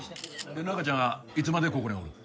で中ちゃんはいつまでここにおるん？